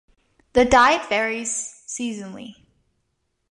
The diet varies seasonally.